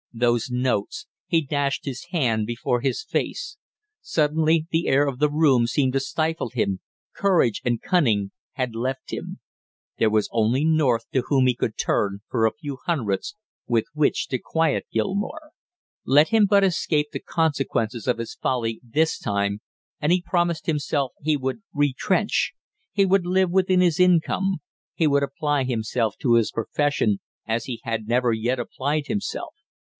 Those notes he dashed his hand before his face; suddenly the air of the room seemed to stifle him, courage and cunning had left him; there was only North to whom he could turn for a few hundreds with which to quiet Gilmore. Let him but escape the consequences of his folly this time and he promised himself he would retrench; he would live within his income, he would apply himself to his profession as he had never yet applied himself.